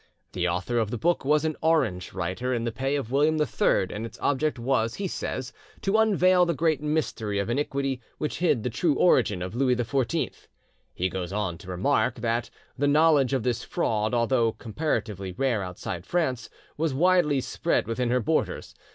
The author of the book was an Orange writer in the pay of William III, and its object was, he says, "to unveil the great mystery of iniquity which hid the true origin of Louis XIV." He goes on to remark that "the knowledge of this fraud, although comparatively rare outside France, was widely spread within her borders.